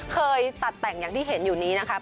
เคยตัดแต่งอย่างที่เห็นอยู่นี้นะครับ